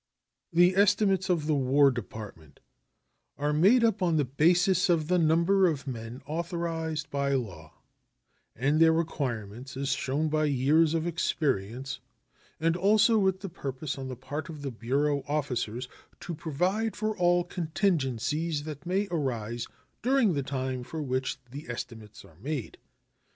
The estimates of the War Department are made up on the basis of the number of men authorized by law, and their requirements as shown by years of experience, and also with the purpose on the part of the bureau officers to provide for all contingencies that may arise during the time for which the estimates are made.